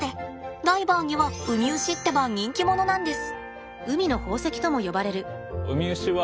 ダイバーにはウミウシってば人気者なんです。